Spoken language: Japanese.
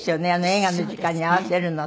映画の時間に合わせるのって。